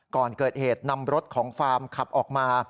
ก่อนเกิดเหตุนำรถของฟาร์มขับออกมา